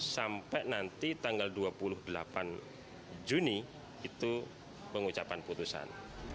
sampai nanti tanggal dua puluh delapan juni itu pengucapan putusan